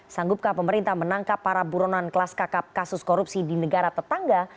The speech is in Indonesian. sanggupkah pemerintah menangkap para buronan kelas kakap kasus korupsi di negara tetangga